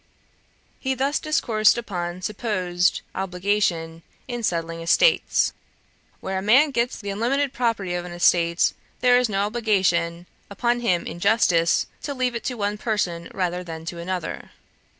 He thus discoursed upon supposed obligation in settling estates: 'Where a man gets the unlimited property of an estate, there is no obligation upon him in justice to leave it to one person rather than to another.